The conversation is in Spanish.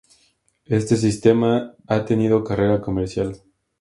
Este sistema ha tenido carrera comercial.